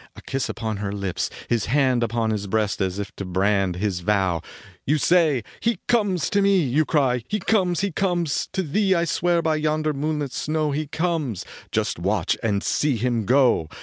A kiss upon her lips, his hand Upon his breast as if to brand His vow : "You say he conies to me ; You cry : He comes ! He comes ! To thee I swear by yonder moonlit snow He conies ! Just watch and see him go."